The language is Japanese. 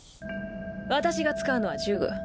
私が使うのは呪具。